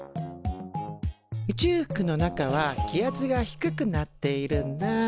宇宙服の中は気圧が低くなっているんだ。